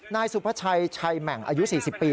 นายสุภาชัยชัยแหม่งอายุ๔๐ปี